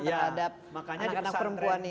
terhadap anak perempuan ini